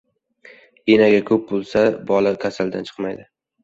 • Enaga ko‘p bo‘lsa, bola kasaldan chiqmaydi.